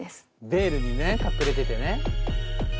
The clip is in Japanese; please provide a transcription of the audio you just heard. ベールにね隠れててね。